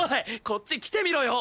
こっち来てみろよ！